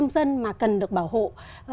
công dân mà cần được bảo hộ